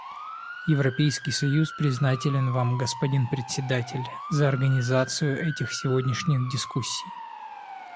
Европейский союз признателен Вам, господин Председатель, за организацию этих сегодняшних дискуссий.